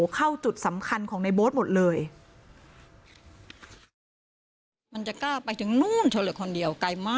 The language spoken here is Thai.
เข้าจุดสำคัญของในโบ๊ทหมดเลย